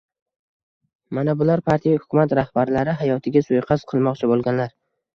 — Mana bular - partiya-hukumat rahbarlari hayotiga suiqasd qilmoqchi bo‘lganlar.